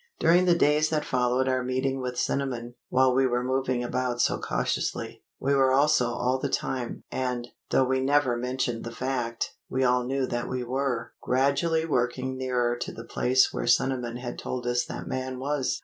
During the days that followed our meeting with Cinnamon, while we were moving about so cautiously, we were also all the time (and, though we never mentioned the fact, we all knew that we were) gradually working nearer to the place where Cinnamon had told us that man was.